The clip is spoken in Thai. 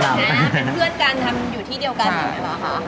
ทำร้านด้วยกันทำอยู่ที่เดียวกันอย่างนี้หรอคะ